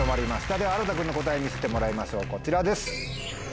ではあらた君の答え見せてもらいましょうこちらです。